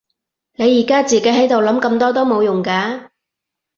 你而家自己喺度諗咁多都冇用㗎